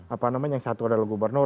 apa namanya yang satu adalah gubernur